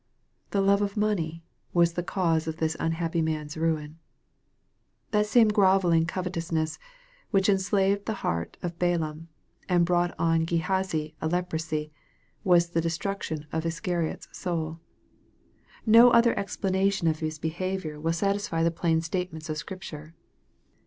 " The love of money" was the cause of this unhappy man's ruin. That same grovelling covetousness, which enslaved the heart of Balaam, and brought on Gehazi a leprosy, was the destruction of Iscaribt's soul. No other explanation of his behavior will satisfy tbe plain MARK, CHAP. XIV. statements of Scripture.